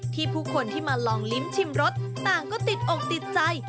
ผู้คนที่มาลองลิ้มชิมรสต่างก็ติดอกติดใจ